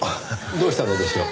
どうしたのでしょう？